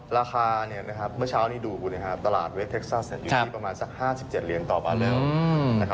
ลาคาเนี่ยนี้มาเมื่อเช้านี้ดูตลาดเต็กซัสอยู่ที่ประมาณสัก๕๗เหรียญต่อมาแล้ว